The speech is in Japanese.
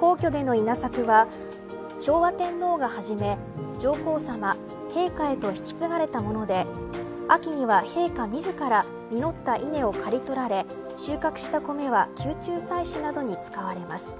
皇居での稲作は昭和天皇が始め、上皇さま陛下へと引き継がれたもので秋に陛下自ら実った稲を刈り取られ収穫した米は宮中祭祀などに使われます。